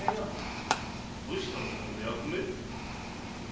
武士たる者の役目？